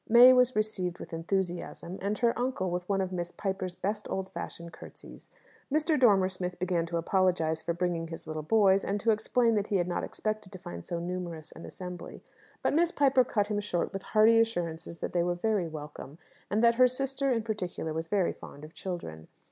May was received with enthusiasm, and her uncle with one of Miss Piper's best old fashioned curtsies. Mr. Dormer Smith began to apologize for bringing his little boys, and to explain that he had not expected to find so numerous an assembly; but Miss Piper cut him short with hearty assurances that they were very welcome, and that her sister in particular was very fond of children.